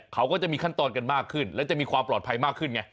เขาก็จะมีขั้นตอนกันมากขึ้นแล้วจะมีความปลอดภัยมากขึ้นไง